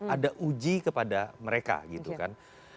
ada uji kepada mereka gitu kan